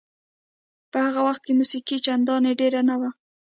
په هغه وخت کې موسیقي چندانې ډېره نه وه.